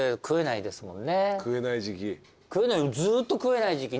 食えない時期。